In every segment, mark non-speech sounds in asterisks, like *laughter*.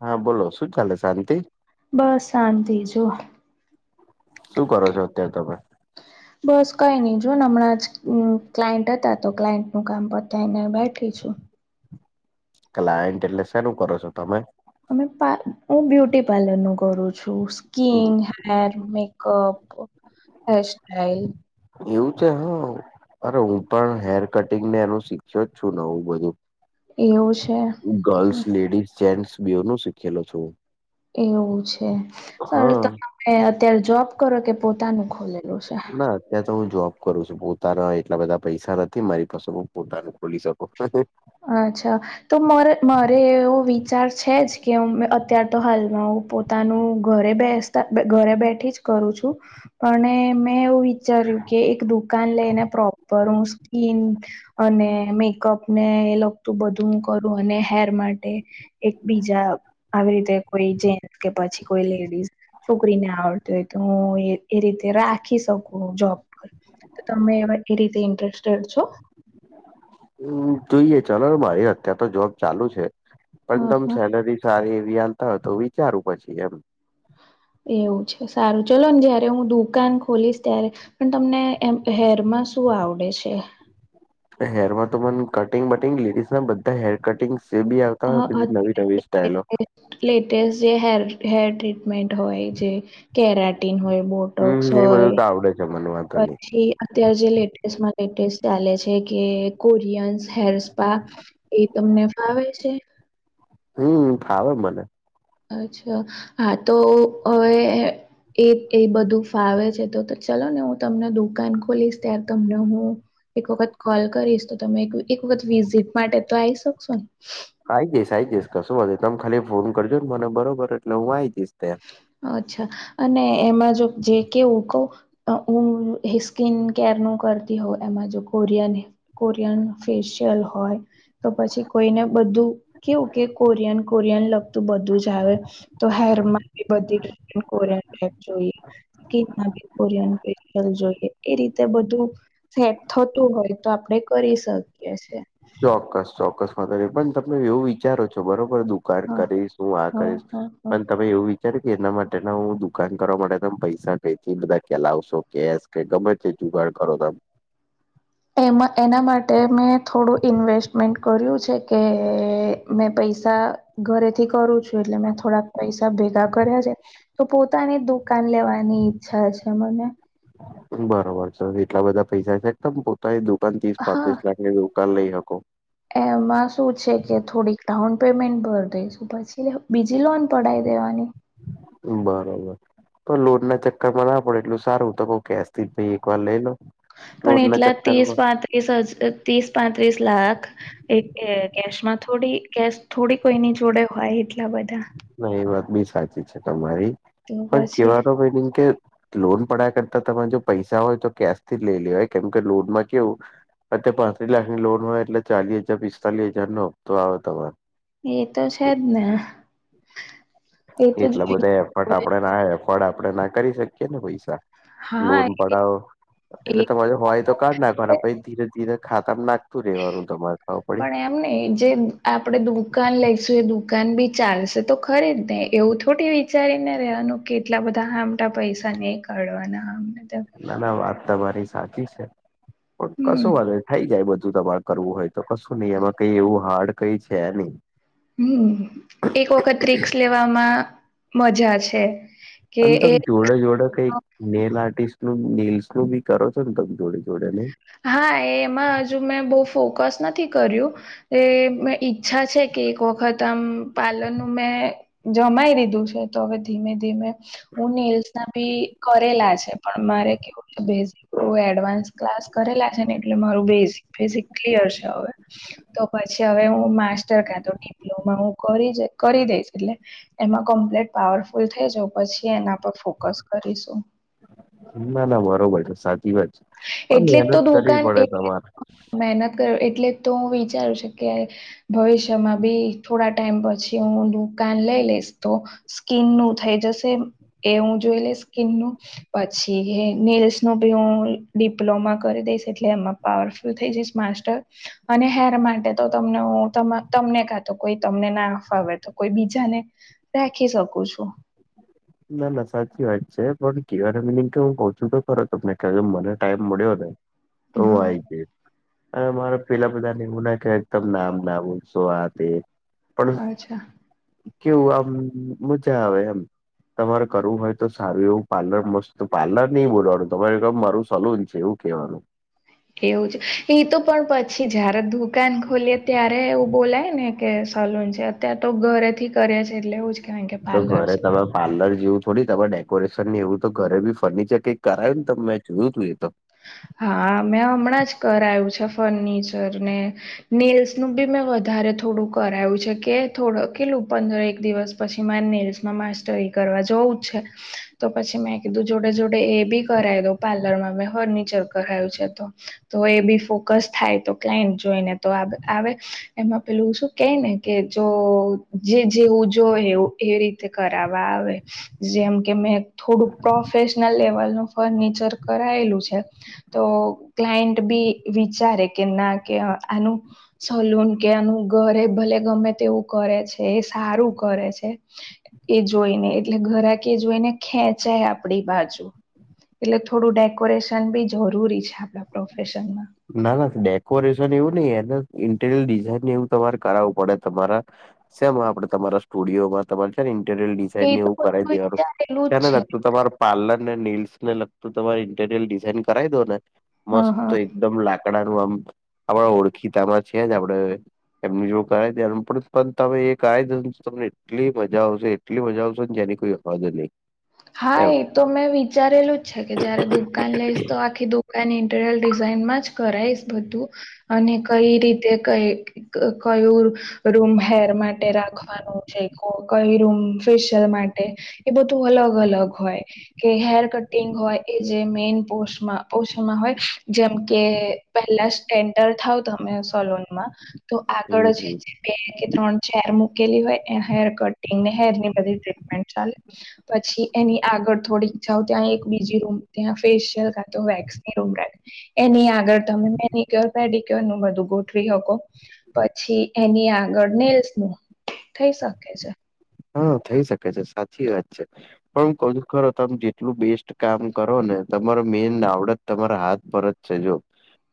હા બોલો શું ચાલે શાંતિ- બસ શાંતિ જો- શું કરો છો અત્યારે તમે- બસ કઈ નહી જો ને હમણાં જ ક્લાયન્ટ હતા તો ક્લાયન્ટ નું કામ પર થને બેઠી છું. ક્લાયન્ટ એટલે શેારું કરો છો તમે- અમે પા હું બ્યુટી પાર્લર નું કરું છું સ્કીન હેર મેકઅપ હેરસ્ટ્ટાાઈલ- એવું છે હું- અરે હું પણ હેર કટિંગ ને એનું શીખ્યો જ છું વું બધું- એવું છે તો ગર્લ્સ લેડીઝ જેન્ટસ બેઓનું શીખેલો છું એવું છે સર હા તમે અત્યારે જોબ કરો કે પોતાનું ખોલેલું છે ના અત્યારે તો હું જોબ કરું છું પોતાના એટલા બધા પૈસા નથી મારી પાસે હ પોતાનું ખોલી શકું અચ્છા તો મારે એવો વિચાર છે જ કે અત્યાર તો હાલમાં હું પોતે પોતાનું ઘરે બેસતા ઘરે બેઠી જ કરું છું પણ મેં એવું વિચાર્યું કે એક દુકાન લઈને પ્રોપર હું સ્કીન અને મેકઅપ ને એ લગતું બધું હું કરું અને હેર માટે એક બીજા આવી રીતે કોઈ જેન્ટ કે પછી કોઈ લેડીસ છોકરીને આવડતી હોય તો હું એ રીતે રાખી શકું જોબ તમે એ રીતે ઇન્ટરેસ્ટેડ છો હમ્મ જોઈએ ચલો મારી અત્યાર તો જોબ ચાલુ છે હ પણ હ તમે સેલરી સારી એવી હાલતા હો તો વિચારું પછી એમ એવું છે સારું ચલો ને જયારે હું દુકાન ખોલીશ ત્યારે પણ તમને એમ હેરમાં શું આવડે છે? હેર માં તો મને કટિંગ વટિંગ લેડીઝ ના બધા હેર કટિંગ એ બી આવ હા બધી નવી નવી હ સ્ટાઈલો લેટેસ્ટ જે હે હેર ટ્રીટમેન્ટ હોય જે કેરાટીન હોય બોટોક્સ હમ્મ એ બધું તો આવડે છે મને વાંધો નહી એ અત્ય્યારે જે લેટેસ્ટમાં લેટેસ્ટ ચાલે છે કે કોરિયન્ હેર સ્પા એ તમને ફાવે છે હમ્મ ફાવે મને અચ્છા હા તો હવે એ એ બધું ફાવે છે તો ચાલો ને હું તમને દુકાન ખોલીશ ત્યારે તમને હું એક વખત કોલ કરીશ તો તમે એક વખત વિઝિટ માટે તો આવી શકશો ને આઈ જઈશ આ આવી જઈશ કશું તમે ખાલી ફોન કરજો ને મને બરોબર એટલે હું આવી જઈશ ત્યાં અચ્છા અને એમાં જો જે કે હુ કઉં હું હિસ્કીન કેર નું કરતી હોઉ એમાં જો કોરિયાને કોરિયાન ફેશિયાલ હોય તો પછી કોઈને બધું કેવું કે કોરિયન કોરિયન લગતું બધું જ આવે તો હેરમાં બધી ટ્રે કોરયન ટ જોઈએ *unintelligible* જોઈએ એ રીતે બધું સેટ થતું હોય તો આપડે કરી શકીએ છે. ચોક્કસ ચોક્કસમાંતો પણ તમે એવું વિચારો છો બરોબર દુકાન હા કરીશ હું આ હા કરીશ હા હા. પણ તમે એવું વિચાર કે એના માટેના હું દુકાન કરવા માટે તમે પૈસા કેથી બધા કેલાવશો કેશ કે ગમે તે જુગાડ કરો તમ એમાં એના માટે મેં થોડું ઇન્વેસ્ટમેન્ટ કર્યું છે કે મેં પૈસા ઘરે થી કરું છું એટલે મેં થોડાક પૈસ ભેગા કર્યા છે. તો પોતાની દુકાન લેવાની ઈચ્છા છે, મને બરોબર છે એટલા બધા પૈસા છે તમ પોતાની દુકાન ત્રીસ હા. પાંત્રીસ લાખ ની દુ કાન લઈ હકો. એમાં શું છે કે થોડીક ડાઉન પેમેન્ટ ભર દઈશું પછી બીજી લોન પડાવ લેવાની બરાબર. તો લોન ના ચક્કરમાં ના પડે એટલું સારું તો હુ કેશ થી જ એક વાર લઈ લો. પણ લોન ના એટલા ત્રીસ ચક્કરમાં પાંત્રીસ હજ ત્રીસ પાંત્રીસ લાખ એ કે કેશમાં થોડી કેશ થોડી કોઈની જોડે હોય એટલા બધા ના એ વાત બી સાચી છે, તમારી તો પણ પછી કેવાનો મિનિંગ કે લોન પડાયા કરતા તમે જો પૈસા હોય તો કેશ થી જ લઈ લેવાય હોય કેમ કે લોનમાં કેવું અત પાંત્રી લાખની લોન હોય એટલે ચાલીસ હજાર પિસ્તાલીસ હજાર નો હપ્તો આવે તમારો. એ તો છેજ ને. એ તો એટલા બધા એફર્ટ જોઈ આપણે ના એફોર્ડ આપણે ના કરી શકીએ ને પૈસા. હા લોન એ પડાવો એટલે તમારે હોય તો કાઢ નાખવાના પછી ધીરે ધીરે ખાતા નાખ તું રહેવાનું તમારે ખબર પડી. મને જે આપણે દુકાન લઈશું એ દુકાન બી ચાલશે તો ખરીજ ને. એવું થોડી વિચારીને રેવાનું કે એટલા બધા આમટા પૈસા નહીં કાઢવાના આમને ના ના વાત તમારી સાચી છે પણ હમ કશું વાંધો થઈ જાય બધું તમારુ. કરવું હોય તો કશું નઈ એમાં કઈ એવું હાર્ડ કઈ છે નઈ. હમ એક વખત રિકસ લેવામાં મજા છે. અ કે તમ એ જોડે જોડે કઈ નેલ આર્ટિસ્ટ નું નેલ્સ નું બી કરો છો ને તમે જોડે જોડે નહી. હા એમાં હજુ મેં બહુ ફોકસ નથી કર્યું. એ ઈચ્છા છે કે એક વખત આમ પાર્લર નું મે જમાઈ લીધું છે તો હવે ધીમે ધીમે હું નેલ્સ ના બી કરેલા છે, પણ મારે કેવું છે બેઝ ટુ એડવાન્સ ક્લાસ કરેલા છે ને એટલે મારું બેઝ બેઝિક ક્લિયર છે, હવે તો પછી હવે હું માસ્ટર કાતો ડિપ્લોમા હું કરી કરી દઈશ. એટલે એમાં કમ્પ્લીટ પાવરફુલ થઈ જા પછી એના પર ફોકસ કરીશું. ના ના બરોબર છે, સાચી વાત છે, પણ એટલે જ તો મહેનત કરવી દુકાન પડે તમારે. મહેનત કર એટલે તો હું વિચારું છૂ કે ભવિષ્યમાં બી થોડા ટાઈમ પછી હું દુકાન લઈ લઈશ તો સ્કીન નું થઈ જશે. એ હું જોઈ લે સ્કિન નું પછી એ નેલ્સ નું ભી હું. ડિપ્લોમા કરી દઈશ એટલે એમાં પાવરફુલ થઈ જઈશ માસ્ટર અને હેર માટે તો તમને હુ તમ તમને કાતો કોઈ તમને ના ફાવે તો કોઈ બીજાને રાખી શકું છું. ના ના સાચી વાત છે પણ કેવાનો મિનિંગ કે હું કૂહ છું તો ખરો તમને કે કે મને ટાઈમ મળ્યો ને તો આય છે. અને મારે પેલા બધાને એવું નાખ એકદમ નામ નાવ શો આ તે પણ હ અચ્છા કેવું આમ મજા આવે એમ તમારે કરવું હોય તો સારું એવું પાર્લર મસ્ત પાર્લર નહી બોલવાનું તમારેમર સલૂન છે એવું કહેવાનું. એવું છે એ તો પણ પછી જય્યારે દુકાન ખોલીએ ત્યારે એવું બોલાય ને કે સલૂન છે. ત્યાં તો ઘરેથી કરે છે એટલે એ તો ઘરે તમા પાર્લર જેવું થોડી તમારે ડેકોરેશન ની એવું તો ઘરે બી ફર્નિચર કઈક કરાય્યું ને મેં જોયું તું એ તો. હા મેં હમણાં જ કરાયું છે ફર્નિચર ને નીલ્સ નું બી મેં વધારે થોડું કરાયું છે કે થોડું કેલું પંદર એક દિવસ પછી મારે નિસમાં માસ્ટરી કરવા જોવું જ છે. તો પછી મેં કીધું જોડે જોડે એ બી કરાવી દઉં પાર્લર માં મે ફર્નિચર કરાયું છે તો. તો એ બી ફોકસ થાય તો ક્લાયન્ટ જોઈને તો આવે એમાં પેલું શું. કઈ ને કે જો જે જેવ જો હોય એ રીતે કરવા આવે. જેમ કે મેં થોડું પ્રોફેશનલ લેવલ નું ફર્નિચર કરાયેલું છે. તો ક્લાયન્ટ બી વિચારે કે ના કે આનું સલૂન કે એનું ઘરે ભલે ગમે તેવું કરે છે એ સારું કરે છે. એ જોઈને એટલે ઘરા કે જોઈને ખેંચાય આપડી બાજુ- એટલે થોડું ડેકોરેશન બી જરૂરી છે આપડા પ્રોફેશનમાં- ના ના ડેકોરેશન એવું નઈ એને ઇન્ટીરિયર ડિઝઇન એવું તમારે કરાવવું પડે. તમારે શમ આપડ તમારા સ્ટુડિયોમાં તમારે છે ઇન્ટરિયલડી એ ને તો એવું કરી બધું દેવાનું વિચારેલું જ ત્યાંને છે લાગતું તમાર પાર્લર ને નીલ્સ ને લગતું તમારે ઇન્ટીરિયર ડિઝઇન કરાવી દો ને હા હા મસ્ત એકદમ લાકડાનું આમ આપણે ઓળખીતામાં છે જ આપડે- એમની જો કરાય ત્યાું પણ તમે એ ક દ તમને એટલી મજા આવશે- એટલી મજા આવશેને જેની કોઈ હવાજ નહી- હા એમ એ તો મેં વિચારેલું જ છે કે જયારે દુપ- દુકાન લઈશ તો આખી દુકાન ઇન્ટીરયર ડિઝાઇનમાં જ કરાઈશ બધું- અને કઈ રીતે ક કયું- રૂમ હેર માટે રાખવાનું છે કો- ક રમ ફેશિયલ માટે એ બધું અલગ અલગ હોય- કે હેર કટિંગ હોય એ જે મેન પોષમાં પોષમાં હોય જેમ કે- પહેલા સ એન્ટર થાવ તમે સોલોન માં તો આગળ હમ હમ. જ- બે કે ત્રણ છેેર મૂકેલી હોય એ હેર કટિંગને હેર ની બધી ટ્રીટમેન્ટ ચાલે- પછી એની આગળ થોડીક જાાવ ત્યાં એક બીજી રૂમ ત્યાં ફેશિયલ કાતો વેક્સ- એની આગળ તમે મેનીિક્યોર પેડિક્યોર નું બધું ગોઠવી શકો- પછી એની આગળ નેલ્સ નું થઈ શકે છે. હા થઈ શકે છે સાચી વાત છે. પણ ક ખરો તમે જેટલું બેસ્ટ કામ કરો ને તમારે મેન આવડત તમારા હાથ ભરત- જો-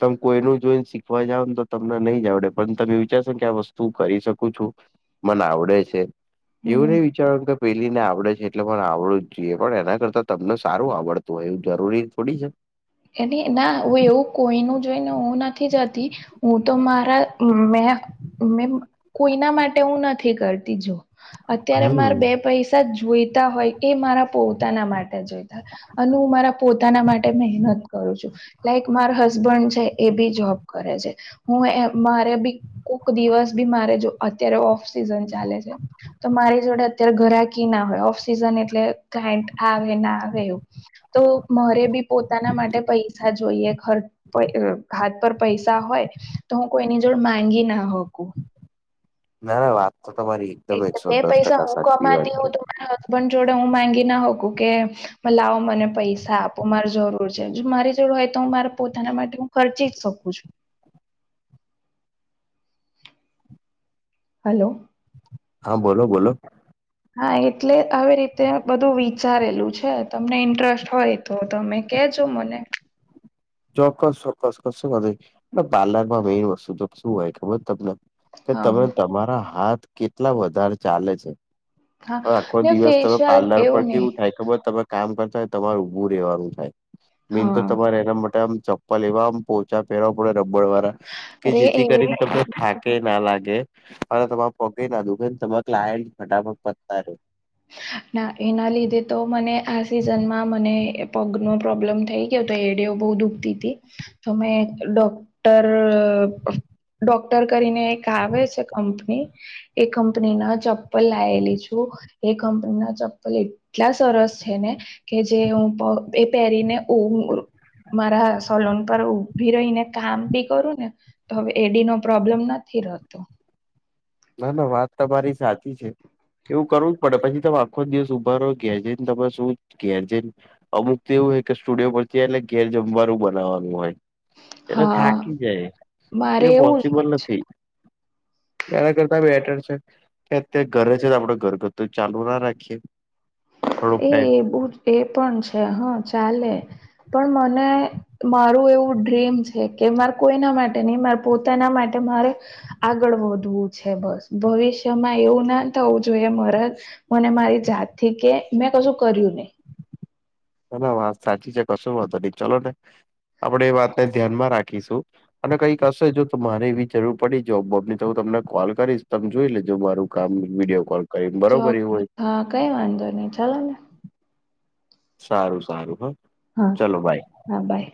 તમે કોઈ ન જોઈને શીખવા જાવ ને તો તમને નહી જડે પણ તમે વિચારશો કે આ વસ્તુ કરી શકું છું. મન આવડે છે એવું હમ નહી વિચારવા કે- પેલી ને આવડે છે એટલે પણ આવડું જ જોઈએ પણ એના કરતાં તમને સારું આવડતું હોય એવું જરૂરી થોડી છે. એને ના હું એવું કોઈ ન જોઈને હું નથી જતી- હું તો મારા મે કોઈના માટે હું નથી કરતી જો- અત્યારે મારે હમ. બે પૈસા જોઈતા હોય એ મારા પોતાના માટે જોઈતા હોય- અને હું મારા પોતાના માટે મહેનત- -છું લાઈક માર હસબન્ડ છે એ બી જોબ કરે છે હું મારે બી કોક દિવસ બી મારે જો અત્યારે ઓફ સિઝન ચાલે છે. તો મારી જોડે અત્યારે ઘરાકી ના હોય ઓફ સિઝન એટલે ક આવે ના આવે એવું- તો મરે બી પોતાના માટે- પૈસા જોઈએ ખર્ચ હાથ પર પૈસા હોય- તો હું કોઈની જોડ માંગી ના હોકું- ના ના વાત તો તમારી- એકદમ એટલે એકસો બે દસ પૈસા ટકા હું સાચી વાત કમાતી હોઉ છે. તોરા- પણ જોડે હું માંગી ના હોકું કે મ લાવો મને પૈસા આપો માર જરૂર છે મારી- હોય તો હું મારા પોતાના માટે હું ખર્ચી જ શકું છું. હલો- હા બોલો બોલો- હા એટલે આવી રીતે બધું વિચારેલું છે તમને ઇન્ટરેસ્ટ હોય- તો તમે કેજો મને- ચોક્કસ ચોક્કસ શું પ્લર માં મેઈન વસ્તુ તો શું હોય ખબર તમને- કે હા તમે તમારા હાથ કેટલા વધારે ચાલે છે. હા આખો ને દિવસ તમે ફેશિયલ પાર્લર પર એવું નહી કેવું થાય ખબર તમે- કામ કરતા હોય તમારે ઉભું રહેેવાનું થાય મેીન તો હા તમારે માટે- મ ચપ્પલ એવા આમ પોચા પેરવા આપડે રબડ વાળા કે અરે જેથી એ કરીને ત થાકી- ના લાગે અને તમારે પગે ના દોને તમા લાય ફટાફટ પતા ર- ના એના લીધે તો મને આ સિઝનમાં મને પગ નો પ્રોબ્લેમ થઈ- ક તો એડીઓ બહુ દુખતી હતી તોમે ડોક્ટર- ડોક્ટર કરીને એક આવે છે કંપની- એ કંપની ના ચપ્પલ લાયેલી છું. એ કંપની ના ચપ્પલ એટલા સરસ છે ને કે જે હું એ પહેરીને મારા સલોન પર ઉભી રહી ને કામ બી કરું ને તો હવે એડી નો પ્રોબ્લેમ નથી રહતો. ના ના વાત તમા મારી સાચી છે. એવું કરવું જ પડે પછી તમે આખો જ દિવસ ઉઊભા રહો ઘેર છેને તમે શું ઘેર છેન અમુક તો એવું હોય કે સ્ટુડિયો પરથીલે ઘેર જમવારું બનાવવાનું હોય. એને હા થાકી જાય મારે એ એવું જ પોસિબલ હોય છે નથી. એના કરતા બેટર છે અત્યારે ઘરે છે આપડ ઘરગથ્થું ચાલુ ના રાખીએ. થોડોક ટાઈમ એ એ બું જ એ પણ છે હા ચાલે. પણ મને મારું એવું ડ્રીમ છે કે મારે કોઈના માટે નહીં મા પોતાના માટે મારે આગળ વધવું છે બસ. ભવિષ્યમાં એવું ના થવું જોઈએ મારા મને મારી જાતથી કે મેં કશું કર્યું નહી. હ ના વાત સાચી છે કશું વાંધ નહી ચલો ને આપડે એ વાતને ધ્યાન માં રાખીશું અને કંઈક હશે જો તો મારે એવી જરૂર પડી જબબ ની તો હું તમને કોલ કરીશ તમે જોઈ લેજો મારું. Video call. કરીને બરોબર એવું ચોક્કસ હોય હા કઈ વાંધો નહી ચાલ ને. સારું સારું હા હા ચલો બાય. હા બાય